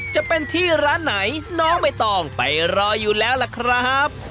จะเป็นที่ร้านไหนน้องใบตองไปรออยู่แล้วล่ะครับ